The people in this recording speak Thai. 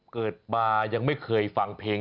ยีราบขอยาวช่างหน้าชัน